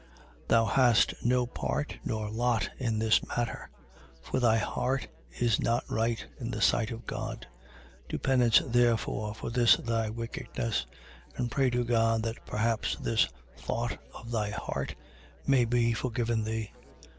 8:21. Thou hast no part nor lot in this matter. For thy heart is not right in the sight of God. 8:22. Do penance therefore for this thy wickedness: and pray to God, that perhaps this thought of thy heart may be forgiven thee.